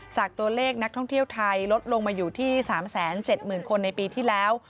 จากตัวเลขนักท่องเที่ยวไทยลดลงมาอยู่ที่๓๗๐๐๐คนในปีที่แล้ว